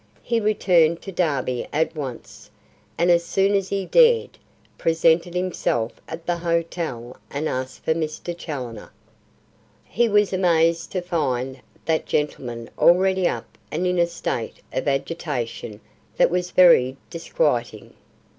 He returned to Derby at once, and as soon as he dared, presented himself at the hotel and asked for Mr. Challoner. He was amazed to find that gentleman already up and in a state of agitation that was very disquieting.